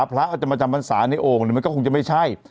พระก็จะมาจำพรรษาในโอ่งมันก็คงจะไม่ใช่